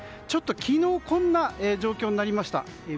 昨日、こんな状況になりました。